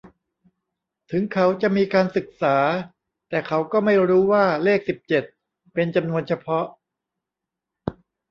ถึงเขาจะมีการศึกษา แต่เขาก็ไม่รู้ว่าเลขสิบเจ็ดเป็นจำนวนเฉพาะ